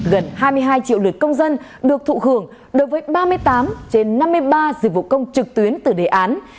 gần hai mươi hai triệu lượt công dân được thụ hưởng đối với ba mươi tám trên năm mươi ba dịch vụ công trực tuyến từ đề án